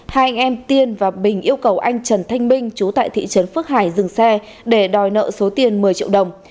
hai anh em tiên và bình yêu cầu anh trần thanh minh chú tại thị trấn phước hải dừng xe để đòi nợ số tiền một mươi triệu đồng